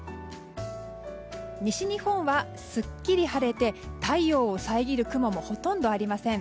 西日本はすっきり晴れて太陽を遮る雲もほとんどありません。